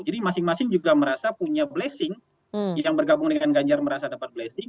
jadi masing masing juga merasa punya blessing yang bergabung dengan ganjar merasa dapat blessing